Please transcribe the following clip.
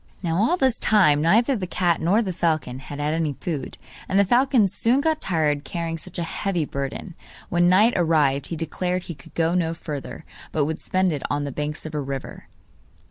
Now all this time neither the cat nor the falcon had had any food, and the falcon soon got tired carrying such a heavy burden. When night arrived he declared he could go no further, but would spend it on the banks of a river.